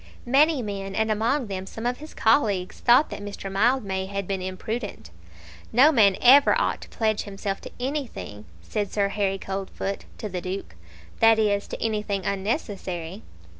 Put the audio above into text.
Many men, and among them some of his colleagues, thought that Mr. Mildmay had been imprudent. "No man ought ever to pledge himself to anything," said Sir Harry Coldfoot to the Duke; "that is, to anything unnecessary."